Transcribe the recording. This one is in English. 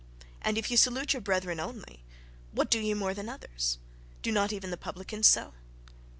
And if ye salute your brethren only, what do ye more than others? do not even the publicans so?"